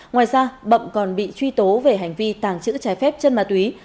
ngoài ra bậm còn bị truy tố về hành vi tàng trữ trái phép chân ma túy